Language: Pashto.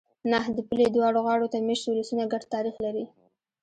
نه! د پولې دواړو غاړو ته مېشت ولسونه ګډ تاریخ لري.